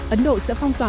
ấn độ sẽ phong tỏa